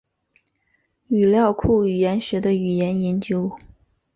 语料库语言学的语言研究。